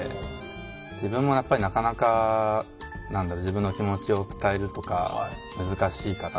自分もやっぱりなかなか何だろう自分の気持ちを伝えるとか難しいから。